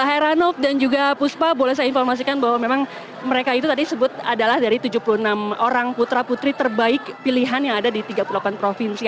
heranob dan juga puspa boleh saya informasikan bahwa memang mereka itu tadi sebut adalah dari tujuh puluh enam orang putra putri terbaik pilihan yang ada di tiga puluh delapan provinsi